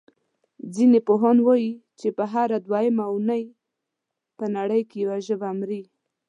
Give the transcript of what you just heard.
ځینې ژبپوهان وايي چې هره دویمه اوونۍ په نړۍ کې یوه ژبه مري.